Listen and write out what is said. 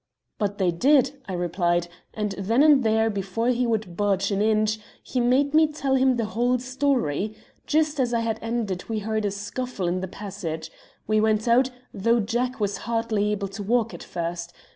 "'But they did,' I replied, and then and there, before he would budge an inch, he made me tell him the whole story. Just as I had ended we heard a scuffle in the passage. We went out, though Jack was hardly able to walk at first.